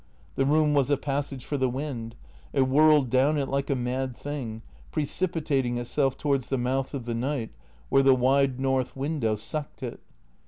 The room was a passage for the wind ; it whirled down it like a mad thing, precipitating itself towards the mouth of the night, where the wide north window sucked it.